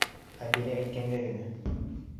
Хәбирә әйткәнгә генә.